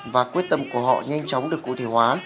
và quyết tâm của họ nhanh chóng được cụ thể hóa